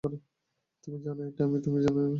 তুমি জানো এটা আমি তুমি জানো এটা আমি সে ভান করছে।